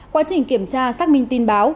quá trình kiểm tra xác minh tin báo